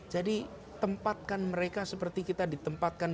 jadi tempatkan mereka seperti kita ditempatkan